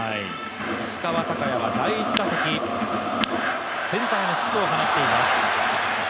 石川昂弥は第１打席、センターにヒットを放っています。